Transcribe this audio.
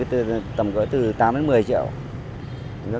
tầm gỡ từ tám một mươi triệu